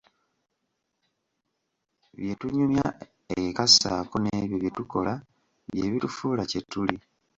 Bye tunyumya eka ssaako n'ebyo bye tukola bye bitufuula kye tuli.